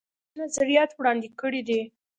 خپل نظريات وړاندې کړي دي